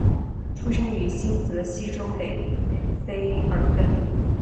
出生于新泽西州北卑尔根。